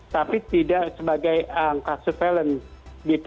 tapi tidak sebagai angka surveillance gitu